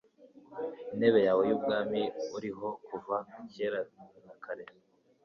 intebe yawe y'ubwami uriho kuva kera na kare